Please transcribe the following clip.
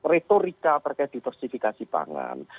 retorika terkait diversifikasi pangan